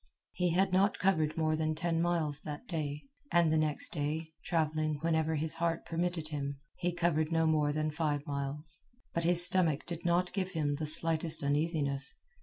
He had not covered more than ten miles that day; and the next day, travelling whenever his heart permitted him, he covered no more than five miles. But his stomach did not give him the slightest uneasiness.